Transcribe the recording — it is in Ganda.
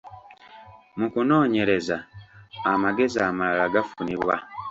Mu kunoonyereza, amagezi amalala gafunibwa.